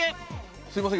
すみません